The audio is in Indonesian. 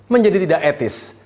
menjadi tidak etis